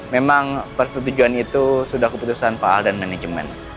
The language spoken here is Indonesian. memang persetujuan itu sudah keputusan pak al dan manajemen